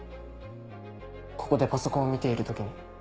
ここでパソコンを見ている時に。